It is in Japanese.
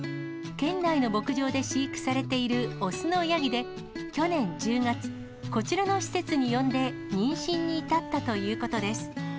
県内の牧場で飼育されている雄のヤギで、去年１０月、こちらの施設に呼んで、妊娠に至ったということです。